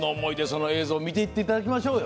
その映像を見ていっていただきましょう。